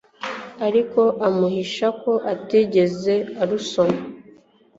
ariko amuhisha ko atigeze arusoma.